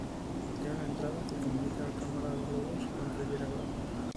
Tiene una entrada que comunica a Cámara de Lobos con Ribeira Brava.